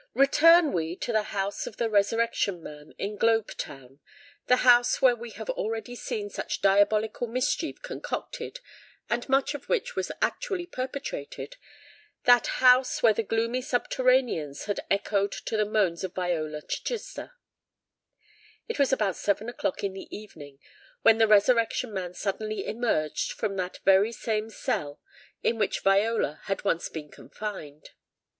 Return we to the house of the Resurrection Man in Globe Town,—that house where we have already seen such diabolical mischief concocted, and much of which was actually perpetrated,—that house where the gloomy subterraneans had echoed to the moans of Viola Chichester! It was about seven o'clock in the evening, when the Resurrection Man suddenly emerged from that very same cell in which Viola had once been confined.